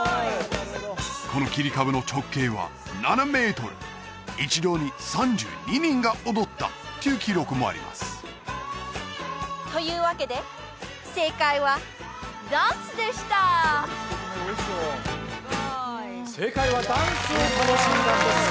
この切り株の直径は一度に３２人が踊ったという記録もありますというわけで正解は「ダンス」でした正解は「ダンス」を楽しんだんです